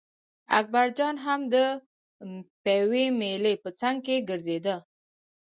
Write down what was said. اکبرجان هم د پېوې مېلې په څنګ کې ګرځېده.